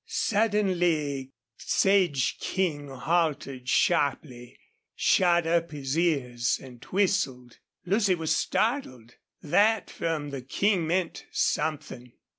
Suddenly Sage King halted sharply, shot up his ears, and whistled. Lucy was startled. That from the King meant something.